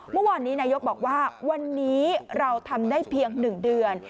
เมื่อวานนี้นายกบอกว่าวันนี้เราทำได้เพียง๑เดือน